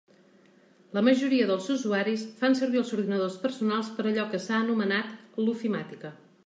La majoria dels usuaris fan servir els ordinadors personals per allò que s'ha anomenat “l'ofimàtica”.